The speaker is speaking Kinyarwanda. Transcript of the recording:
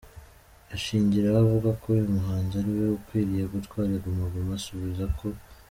ashingiraho avuga ko uyu muhanzi ari we ukwiriye gutwara Guma Guma, asubiza ko.